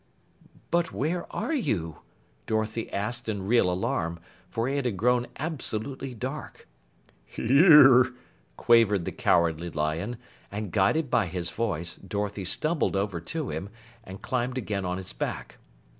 "But where are you?" Dorothy asked in real alarm, for it had grown absolutely dark. "Here," quavered the Cowardly Lion, and guided by his voice, Dorothy stumbled over to him and climbed again on his back.